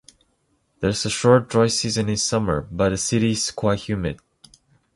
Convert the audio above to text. There is a short dry season in summer, but the city is quite humid.